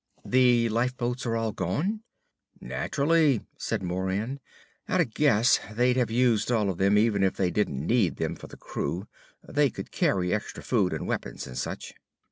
"The lifeboats are all gone?" "Naturally," said Moran. "At a guess they'd have used all of them even if they didn't need them for the crew. They could carry extra food and weapons and such."